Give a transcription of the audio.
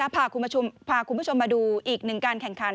พาคุณผู้ชมมาดูอีกหนึ่งการแข่งขัน